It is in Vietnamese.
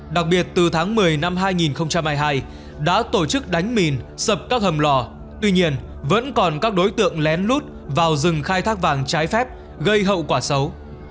đặc biệt từ tháng một mươi năm hai nghìn hai mươi hai đã tổ chức đánh mìn sập các hầm lò tuy nhiên vẫn còn các đối tượng lén lút vào rừng khai thác vàng trái phép gây hậu quả xấu